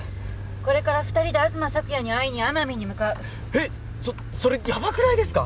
これから二人で東朔也に会いに奄美に向かうえっそそれヤバくないですか？